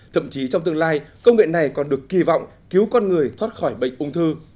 thậm chí trong tương lai công nghệ này còn được kỳ vọng cứu con người thoát khỏi bệnh ung thư